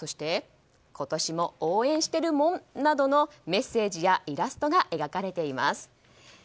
「今年も応援してるモン」などのメッセージやイラストが描かれています。